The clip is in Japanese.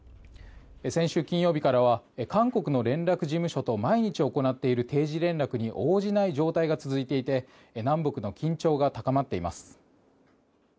先週金曜日からは韓国の連絡事務所と毎日行っている定時連絡に応じない状態が続いていて南北の緊張が高まっています。